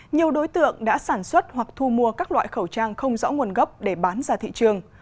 nhiều đối tượng đã sản xuất hoặc thu mua các loại khẩu trang không rõ nguồn gốc để bán ra thị trường